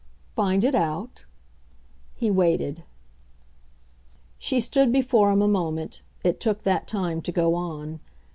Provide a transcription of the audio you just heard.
"Find it out ?" He waited. She stood before him a moment it took that time to go on.